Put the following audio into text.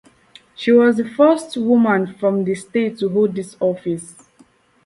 She was the first woman from the state to hold this office.